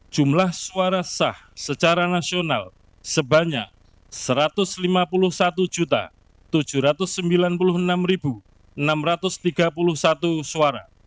jumlah suara sah secara nasional sebanyak satu ratus lima puluh satu tujuh ratus sembilan puluh enam enam ratus tiga puluh satu suara